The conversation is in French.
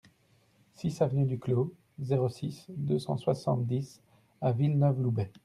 six avenue du Clos, zéro six, deux cent soixante-dix à Villeneuve-Loubet